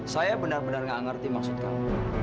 saya benar benar nggak ngerti maksud kamu